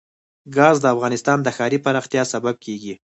ګاز د افغانستان د ښاري پراختیا سبب کېږي.